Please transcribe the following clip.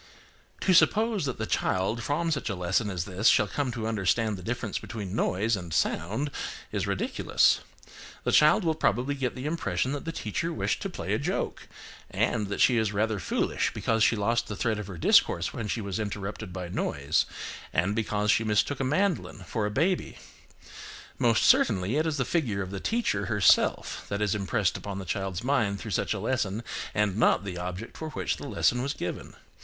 To suppose that the child from such a lesson as this shall come to understand the difference between noise and sound is ridiculous. The child will probably get the impression that the teacher wished to play a joke, and that she is rather foolish, because she lost the thread of her discourse when she was interrupted by noise, and because she mistook a mandolin for a baby. Most certainly, it is the figure of the teacher herself that is impressed upon the child's mind through such a lesson, and not the object for which the lesson was given.